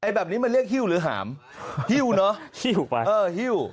ไอ้แบบนี้มันเรียกฮิวหรือหามฮิวเนอะฮิว